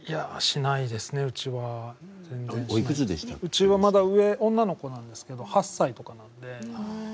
うちはまだ上女の子なんですけど８歳とかなんで。